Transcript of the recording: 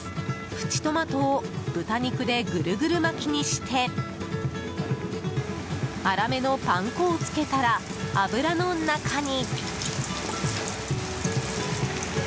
プチトマトを豚肉でぐるぐる巻きにして粗めのパン粉を付けたら油の中に。